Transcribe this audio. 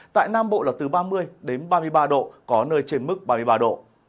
tại nam bộ là từ ba mươi đến ba mươi ba độ có nơi trên mức ba mươi ba độ